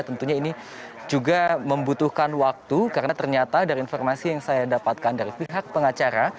tentunya ini juga membutuhkan waktu karena ternyata dari informasi yang saya dapatkan dari pihak pengacara